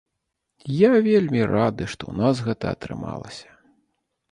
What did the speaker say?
І вельмі рады, што ў нас гэта атрымалася.